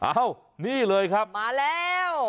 อ้าวนี่เลยครับมาแล้ว